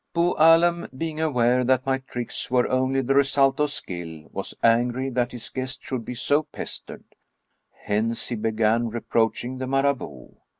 Bou Allem, being aware that my tricks were only the re sult of skill, was angry that his guest should be so pestered ; hence he began reproaching the Marabout.